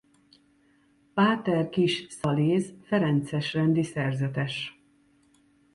Páter Kiss Szaléz ferences rendi szerzetes.